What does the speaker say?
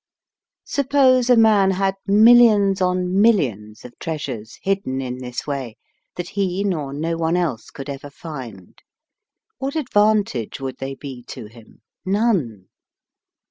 Suppose a AND MOTION. 77 man had millions on millions of treas ures hidden in this way that he nor no one else could ever find; what advan tage would they be to him? None.